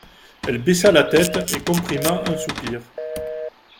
Elle baissa la tête et comprima un soupir.